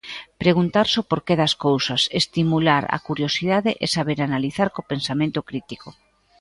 Preguntarse o porqué das cousas, estimular a curiosidade e saber analizar con pensamento crítico.